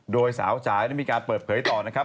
โดยสาวจ่ายได้มีการเปิดเผยต่อนะครับ